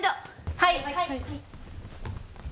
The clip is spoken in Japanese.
はい！